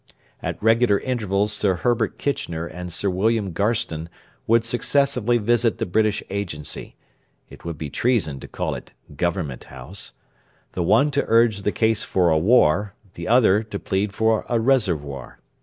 At regular intervals Sir Herbert Kitchener and Sir William Garstin would successively visit the British Agency (it would be treason to call it 'Government House') the one to urge the case for a war, the other to plead for a reservoir.